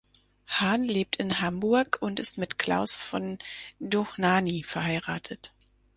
Hahn lebt in Hamburg und ist mit Klaus von Dohnanyi verheiratet.